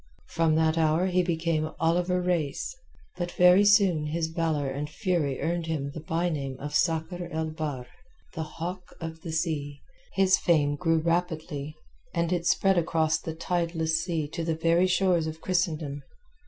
From that hour he became Oliver Reis, but very soon his valour and fury earned him the by name of Sakr el Bahr, the Hawk of the Sea. His fame grew rapidly, and it spread across the tideless sea to the very shores of Christendom.